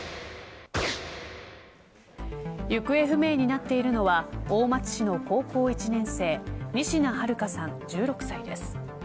行方不明になっているのは大町市の高校１年生仁科日花さん、１６歳です。